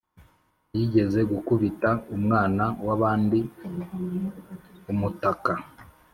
Yigeze gukubita umwana wabandi umutaka